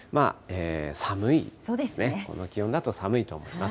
寒いですね、この気温だと寒いと思います。